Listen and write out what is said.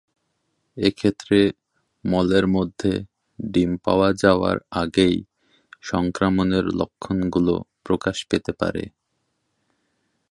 এক্ষেত্রে, মলের মধ্যে ডিম পাওয়া যাওয়ার আগেই সংক্রমণের লক্ষণগুলো প্রকাশ পেতে পারে।